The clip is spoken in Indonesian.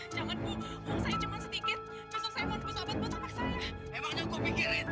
sampai jumpa di video selanjutnya